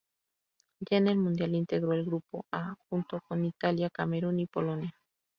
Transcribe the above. Ya en el Mundial integró el grupo A junto con Italia, Camerún y Polonia.